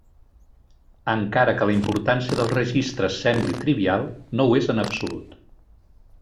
Encara que la importància dels registres sembli trivial, no ho és en absolut.